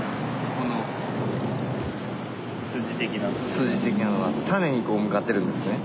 筋的なのが種に向かってるんですね。